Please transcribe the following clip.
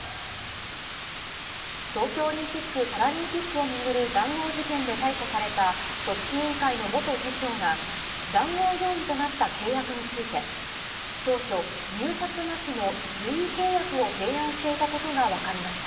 東京オリンピック・パラリンピックを巡る談合事件で逮捕された、組織委員会の元次長が、談合容疑となった契約について、当初、入札なしの随意契約を提案していたことが分かりました。